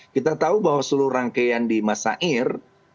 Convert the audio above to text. kita tahu bahwa seluruh rangkaian di masair